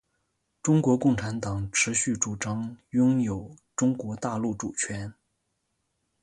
中国共产党持续主张拥有中国大陆主权。